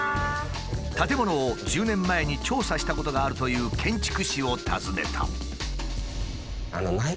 建物を１０年前に調査したことがあるという建築士を訪ねた。